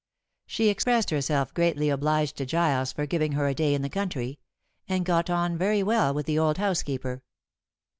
She expressed herself greatly obliged to Giles for giving her a day in the country, and got on very well with the old housekeeper.